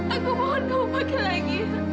aku mohon kamu pakai lagi